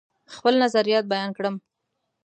خپل نظریات بیان کړم.